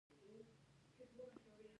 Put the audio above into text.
خو هلته یو بد رواج و.